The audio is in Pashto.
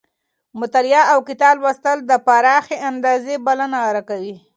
مطالعه اوکتاب لوستل د پراخې اندازې بلنه راکوي.